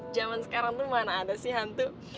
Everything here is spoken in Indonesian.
jaman sekarang tuh mana ada sih hantu